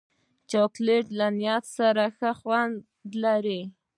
چاکلېټ له نټ سره ښه خوند لري.